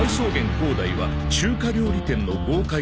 広大は中華料理店の豪快店長」